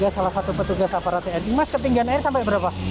salah satu petugas aparatnya mas ketinggian air sampai berapa